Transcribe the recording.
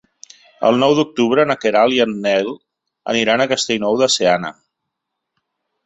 El nou d'octubre na Queralt i en Nel aniran a Castellnou de Seana.